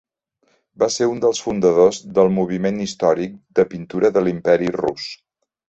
Va ser un dels fundadors del moviment històric de pintura de l'Imperi Rus.